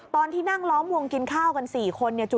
ตอนที่นั่งล้อมวงกินข้าวกัน๔คน